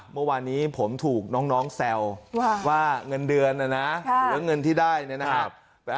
เมื่อวานนี้ผมถูกน้องแซวว่าเงินเดือนนะนะหรือว่าเงินที่ได้เนี่ยนะครับ